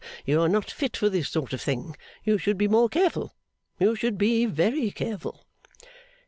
You are not fit for this sort of thing. You should be more careful, you should be very careful.